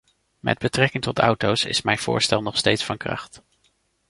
Met betrekking tot auto's is mijn voorstel nog steeds van kracht.